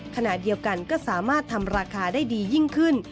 ขณะเดียวกันก็สามารถทำราคาได้ดียิ่งขึ้น